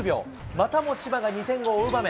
またも千葉が２点を追う場面。